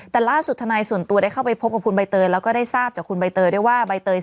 แต่ล่าสุดท่านายส่วนตัวได้เข้าไปพบกับคุณไบเตย